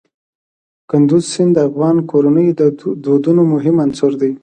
کندز سیند د افغان کورنیو د دودونو مهم عنصر دی.